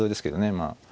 まあ。